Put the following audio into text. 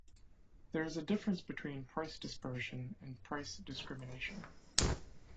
There is a difference between price dispersion and price discrimination.